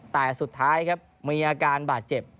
แต่สุดท้ายครับมีอาการบาดเจ็บ